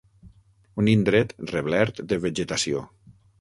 Un indret reblert de vegetació.